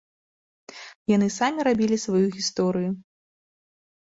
Яны самі рабілі сваю гісторыю.